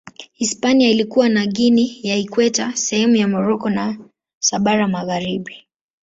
Hispania ilikuwa na Guinea ya Ikweta, sehemu za Moroko na Sahara Magharibi.